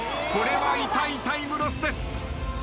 これは痛いタイムロスです。